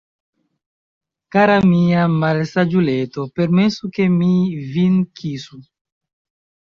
Kara mia malsaĝuleto, permesu, ke mi vin kisu!